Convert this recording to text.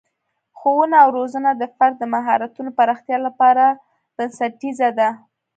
ښوونه او روزنه د فرد د مهارتونو پراختیا لپاره بنسټیزه ده.